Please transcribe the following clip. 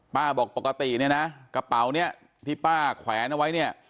บอกปกติเนี่ยนะกระเป๋าเนี่ยที่ป้าแขวนเอาไว้เนี่ย